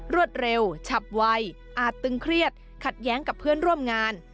รวดเร็วฉับไวอาจตึงเครียดขัดแย้งกับเพื่อนร่วมงาน